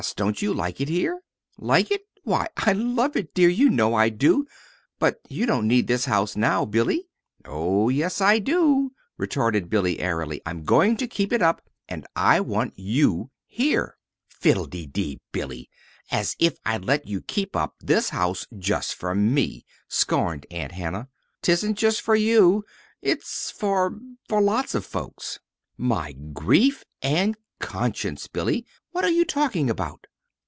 Don't you like it here?" "Like it! Why, I love it, dear. You know I do. But you don't need this house now, Billy." "Oh, yes, I do," retorted Billy, airily. "I'm going to keep it up, and I want you here. "Fiddlededee, Billy! As if I'd let you keep up this house just for me," scorned Aunt Hannah. "'Tisn't just for you. It's for for lots of folks." "My grief and conscience, Billy! What are you talking about?"